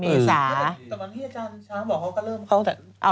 บางนี้อาจารย์ช้าบอกเค้าก็เริ่ม